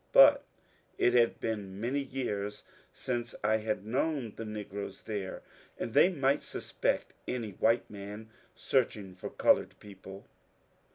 But it had been many years since I had known the negroes there, and they might suspect bsij white man searching for coloured people.